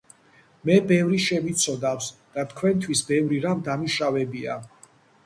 მე ბევრი შემიცოდავს და თქვენთვის ბევრი რამ დამიშავებია